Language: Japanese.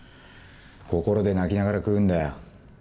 心で泣きながら食うんだよ。